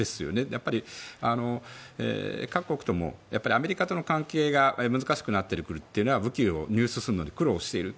やっぱり各国ともアメリカとの関係が難しくなってくるというのは武器を入手するのに苦労している。